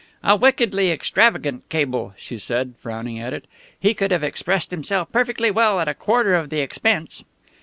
"A wickedly extravagant cable," she said, frowning at it. "He could have expressed himself perfectly well at a quarter of the expense."